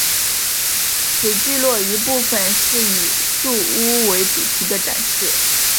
此聚落一部份是以住屋为主题的展示。